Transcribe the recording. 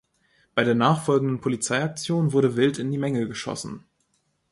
Bei der nachfolgenden Polizeiaktion wurde wild in die Menge geschossen.